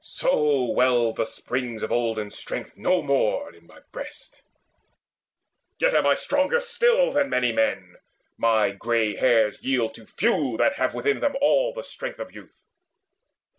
So well the springs of olden strength no more Now in my breast. Yet am I stronger still Than many men; my grey hairs yield to few That have within them all the strength of youth."